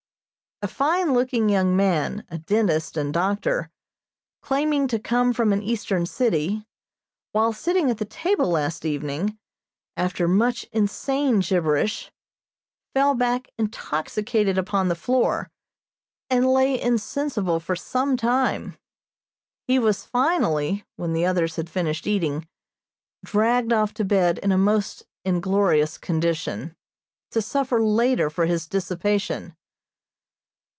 A fine looking young man, a dentist and doctor, claiming to come from an eastern city, while sitting at the table last evening, after much insane gibberish, fell back intoxicated upon the floor, and lay insensible for some time. He was finally, when the others had finished eating, dragged off to bed in a most inglorious condition, to suffer later for his dissipation.